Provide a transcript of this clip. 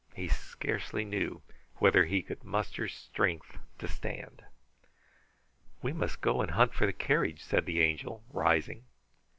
He scarcely knew whether he could muster strength to stand. "We must go and hunt for the carriage," said the Angel, rising.